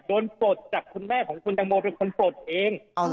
ปลดจากคุณแม่ของคุณตังโมเป็นคนปลดเอง